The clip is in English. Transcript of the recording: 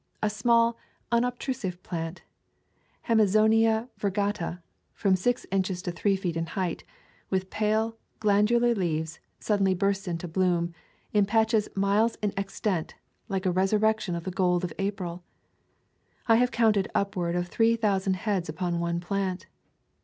A small, unobtrusive plant, Hemi zonia virgata, from six inches to three feet in height, with pale, glandular leaves, suddenly bursts into bloom, in patches miles in extent, like a resurrection of the gold of April. I have counted upward of three thousand heads upon one plant.